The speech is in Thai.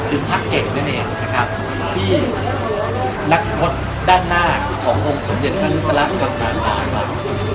คือภักดิ์เก่งนั่นเองนะครับที่นักงดด้านหน้าขององค์สมเด็จพระนุษย์ตลาดกำลังมา